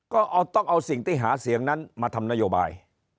ก็ต้องเอาสิ่งที่หาเสียงนั้นมาทำนโยบาย